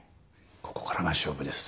ここからが勝負です。